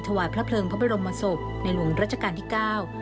ถวายพระเพลิงพระบรมศพในหลวงรัชกาลที่เก้า